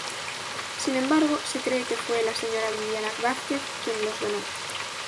Sin embargo se cree que fue la Señora Viviana Vázquez quien los donó.